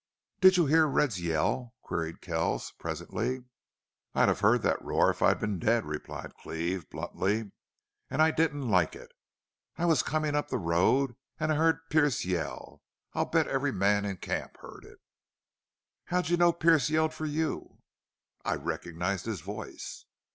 "Did you hear Red's yell?" queried Kells, presently. "I'd have heard that roar if I'd been dead," replied Cleve, bluntly. "And I didn't like it!... I was coming up the road and I heard Pearce yell. I'll bet every man in camp heard it." "How'd you know Pearce yelled for you?" "I recognized his voice."